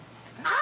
あ！